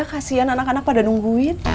kasian anak anak pada nungguin